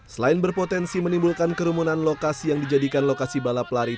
selain berpotensi menimbulkan kerumunan lokasi yang dijadikan lokasi balap lari